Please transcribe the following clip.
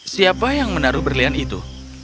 siapa yang menaruh berlian itu